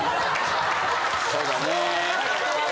そうだね。